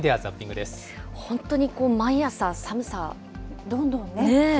本当に毎朝、寒さどんどんね。